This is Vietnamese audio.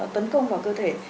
tấn công vào cơ thể